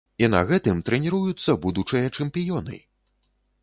І на гэтым трэніруюцца будучыя чэмпіёны!